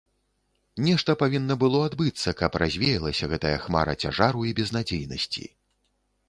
Нешта павінна было адбыцца, каб развеялася гэтая хмара цяжару і безнадзейнасці.